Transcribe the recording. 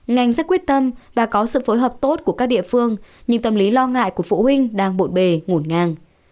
ngành sẽ quyết tâm và có sự phối hợp tốt của các địa phương nhưng tâm lý lo ngại của phụ huynh đang bộn bề ngổn ngang